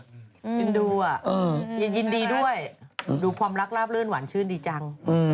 อินดูอ่ะยังยินดีด้วยดูความรักลาบลื่นหวานชื่นดีจัง